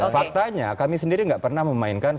faktanya kami sendiri nggak pernah memainkan